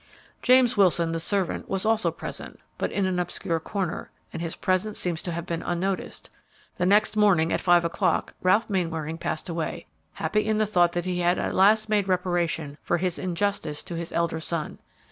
"James Wilson, the servant, was also present, but in an obscure corner, and his presence seems to have been unnoticed. The next morning, at five o'clock, Ralph Mainwaring passed away, happy in the thought that he had at last made reparation for his injustice to his elder son.